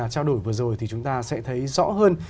trao đổi vừa rồi thì chúng ta sẽ thấy rõ hơn